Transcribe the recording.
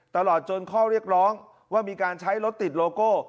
ตลอดจนข้อเรียกร้องว่ามีการใช้รถติดโลโก้